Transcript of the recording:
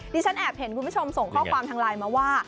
ฉันแอบเห็นคุณผู้ชมส่งข้อความทางไลน์มาว่า